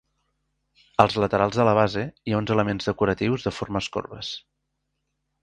Als laterals de la base hi ha uns elements decoratius de formes corbes.